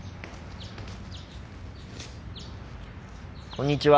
こんにちは。